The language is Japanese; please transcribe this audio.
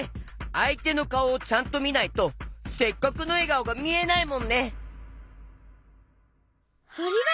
あいてのかおをちゃんとみないとせっかくのえがおがみえないもんね！